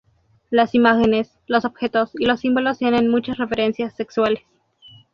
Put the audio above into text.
Las imágenes, los objetos y los símbolos tienen muchas referencias sexuales.